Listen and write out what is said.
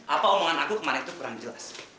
apa omongan aku kemarin itu kurang jelas